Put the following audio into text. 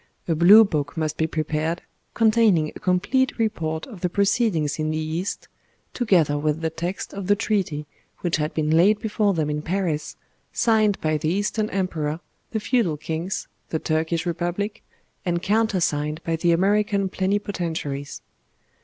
A Blue book must be prepared, containing a complete report of the proceedings in the East, together with the text of the Treaty which had been laid before them in Paris, signed by the Eastern Emperor, the feudal kings, the Turkish Republic, and countersigned by the American plenipotentiaries....